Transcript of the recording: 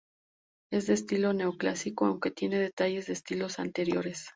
Es de estilo neoclásico aunque tiene detalles de estilos anteriores.